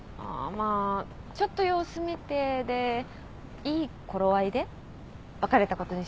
まあちょっと様子見てでいい頃合いで別れたことにしようかなと。